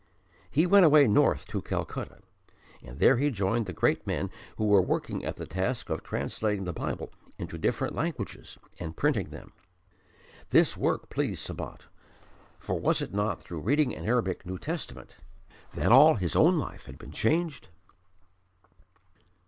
He went away north to Calcutta, and there he joined the great men who were working at the task of translating the Bible into different languages and printing them. This work pleased Sabat, for was it not through reading an Arabic New Testament that all his own life had been changed?